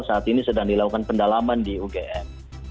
saat ini sedang dilakukan pendalaman di ugm